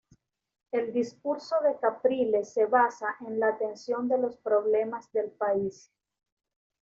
El discurso de Capriles se basa en la atención de los problemas del país.